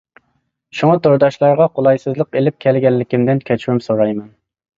شۇڭا تورداشلارغا قولايسىزلىق ئېلىپ كەلگەنلىكىمدىن كەچۈرۈم سورايمەن.